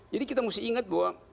jadi kita mesti ingat bahwa